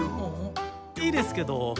いいですけど。